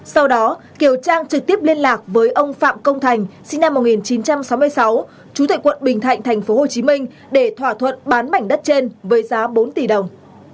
sau đó kiều trang trực tiếp liên lạc với ông phạm công thành sinh năm một nghìn chín trăm sáu mươi sáu chủ tịch quận bình thạnh thành phố hồ chí minh để thỏa thuận bán mảnh đất trên với giá bốn tỷ đồng